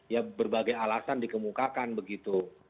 ya berbagai alasan dikemukakan begitu